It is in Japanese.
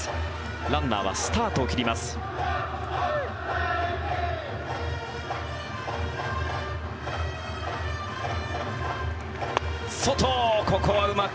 ランナーはスタートを切ります。